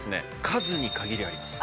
数に限りあります。